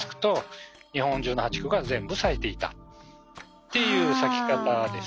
っていう咲き方です。